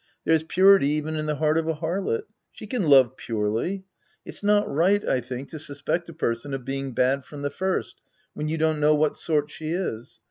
There's purity even in the heart of a harlot. She can love purely. It's not right, I think, to suspect a person of being bad from the first, when you don't know what sort she is.